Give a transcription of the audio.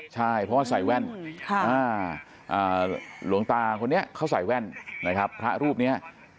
ใช่เพราะว่าใส่แว่นหลวงตาเขาใส่แว่นพระรูปนี้